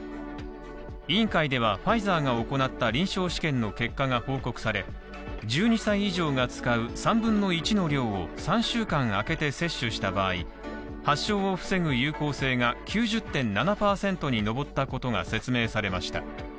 委員会ではファイザーが行った臨床試験の結果が報告され、１２歳以上が使う３分の１の量を３週間あけて接種した場合、発症を防ぐ有効性が９０．７％に上ったことが説明されました。